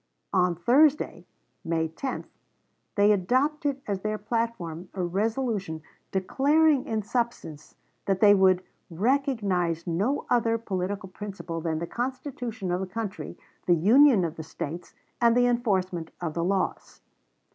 On Thursday, May 10, they adopted as their platform a resolution declaring in substance that they would "recognize no other political principle than the Constitution of the country, the Union of the States, and the enforcement of the laws."